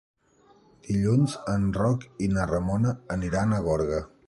Dilluns en Roc i na Ramona aniran a Gorga.